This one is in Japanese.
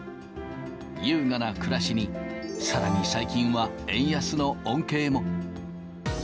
優雅な暮らしに、さらに最近は、円安の恩恵も。